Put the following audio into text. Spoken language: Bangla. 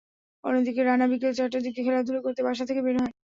অন্যদিকে রানা বিকেল চারটার দিকে খেলাধুলা করতে বাসা থেকে বের হয়।